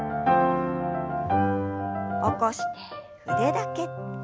起こして腕だけ。